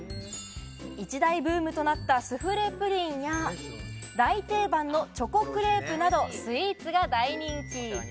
一大ブームとなったスフレプリンや、大定番のチョコクレープなどスイーツが大人気。